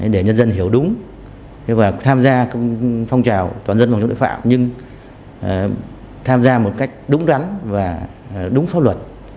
để nhân dân hiểu đúng và tham gia phong trào toàn dân hoặc đối phạm nhưng tham gia một cách đúng đắn và đúng pháp luật